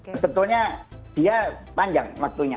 sebetulnya dia panjang waktunya